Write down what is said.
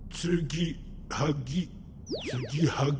つぎはぎ？